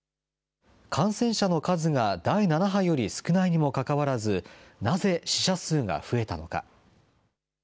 感染者の数が第７波より少ないにもかかわらず、なぜ死者数が増えたのか。